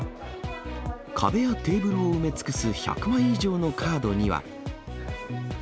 壁やテーブルを埋め尽くす１００枚以上のカードには。